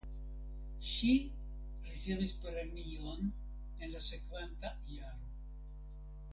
Ŝi ricevis premion en la sekvanta jaro.